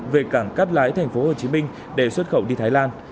về cảng cát lái tp hcm để xuất khẩu đi thái lan